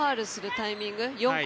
タイミング